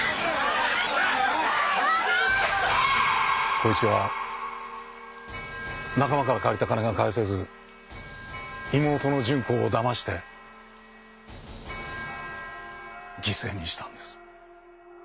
孝一は仲間から借りた金が返せず妹の純子を騙して犠牲にしたんです。